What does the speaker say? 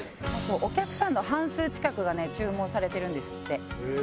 お客さんの半数近くが注文されてるんですって。